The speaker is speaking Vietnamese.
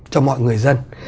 cho mọi người dân